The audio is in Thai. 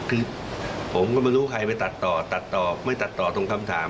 คือผมก็ไม่รู้ใครไปตัดต่อตัดต่อไม่ตัดต่อตรงคำถาม